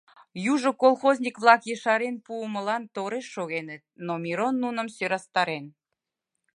Южо колхозник-влак ешарен пуымылан тореш шогеныт, но Мирон нуным сӧрастарен.